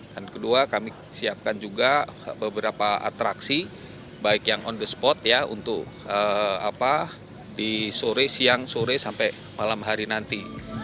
dan kedua kami siapkan juga beberapa atraksi baik yang on the spot ya untuk di sore siang sore sampai malam hari nanti